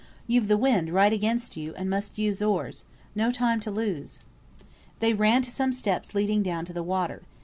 "You've the wind right against you, and must use oars. No time to lose." They ran to some steps leading down to the water.